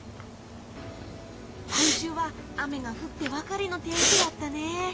今週は雨が降ってばかりの天気だったね。